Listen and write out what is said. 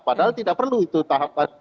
padahal tidak perlu itu tahapan